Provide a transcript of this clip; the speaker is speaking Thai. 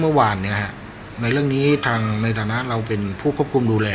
เมื่อวานในเรื่องนี้ทางในฐานะเราเป็นผู้ควบคุมดูแล